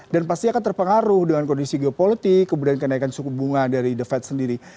dan pasti akan terpengaruh dengan kondisi geopolitik kemudian kenaikan suku bunga dari the fed sendiri